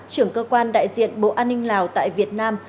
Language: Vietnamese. trưởng cơ quan đại diện bộ an ninh lào tại việt nam